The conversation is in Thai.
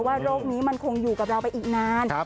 โรคนี้มันคงอยู่กับเราไปอีกนาน